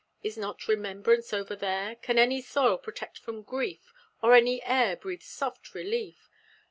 Is not remembrance ever there? Can any soil protect from grief, Or any air breathe soft relief?